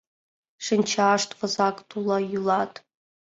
Шинчашт возак тулла йӱлат.